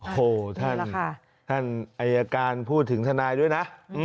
โหท่านอายการพูดถึงทนายด้วยนะ